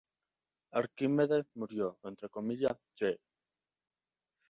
Arquímedes murió "c".